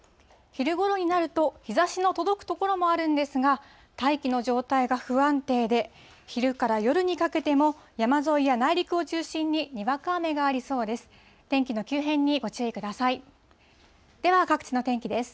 昼ごろになると、日ざしの届く所もあるんですが、大気の状態が不安定で、昼から夜にかけても、山沿いや内陸を中心に、にわか雨がありそうです。